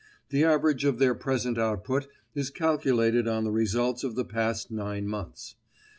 The average of their present output is calculated on the results of the past nine months.